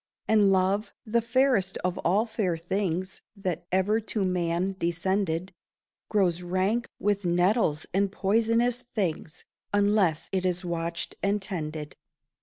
And love, the fairest of all fair things That ever to man descended, Grows rank with nettles and poisonous things Unless it is watched and tended.